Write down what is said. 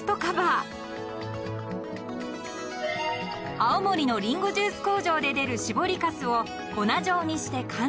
［青森のリンゴジュース工場で出る搾りかすを粉状にして乾燥］